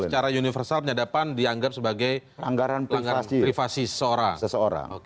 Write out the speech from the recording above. secara universal penyadapan dianggap sebagai pelanggaran privasi seseorang